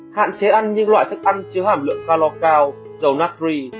hạn chế ăn những loại thức ăn chứa hẳn lượng calor cao dầu natri